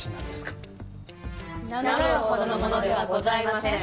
名乗るほどの者ではございません。